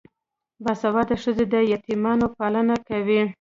باسواده ښځې د یتیمانو پالنه کوي.